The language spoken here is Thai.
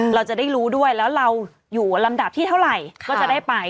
เราจะได้รู้ด้วยแล้วเราอยู่ลำดับที่เท่าไหร่ก็จะได้ไป